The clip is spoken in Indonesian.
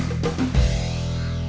masih belum tegas